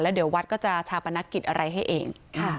เดี๋ยววัดก็จะชาปนกิจอะไรให้เอง